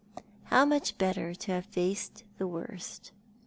How much better to have faced the worst.